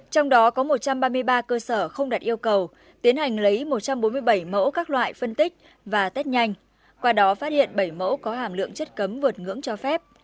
trong đó có một trăm ba mươi ba cơ sở không đạt yêu cầu tiến hành lấy một trăm bốn mươi bảy mẫu các loại phân tích và test nhanh qua đó phát hiện bảy mẫu có hàm lượng chất cấm vượt ngưỡng cho phép